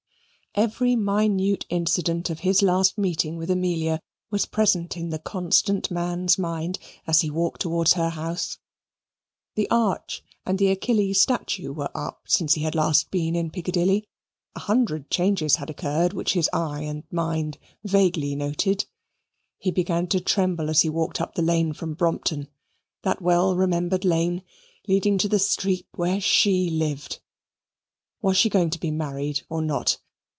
Every minute incident of his last meeting with Amelia was present to the constant man's mind as he walked towards her house. The arch and the Achilles statue were up since he had last been in Piccadilly; a hundred changes had occurred which his eye and mind vaguely noted. He began to tremble as he walked up the lane from Brompton, that well remembered lane leading to the street where she lived. Was she going to be married or not?